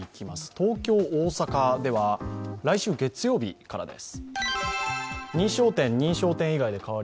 東京、大阪では来週月曜日からです。